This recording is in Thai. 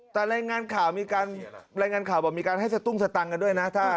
แต่รายงานข่าวมีการให้สตุ้งสตังค์กันด้วยนะ